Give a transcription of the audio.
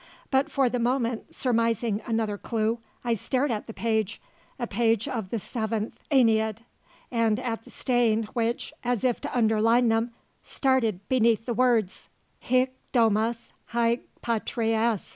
But for the moment, surmising another clue, I stared at the page a page of the seventh "Aeneid" and at the stain which, as if to underline them, started beneath the words "Hic domus, haec patria est.